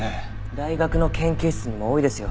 大学の研究室にも多いですよ